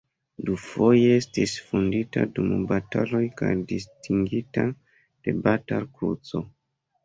Dufoje estis vundita dum bataloj kaj distingita de Batal-Kruco.